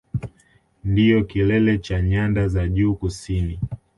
Ndiyo kilele cha Nyanda za Juu Kusini